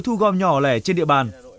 thu gom nhỏ lẻ trên địa bàn